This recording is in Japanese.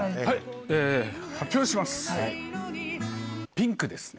ピンクですね。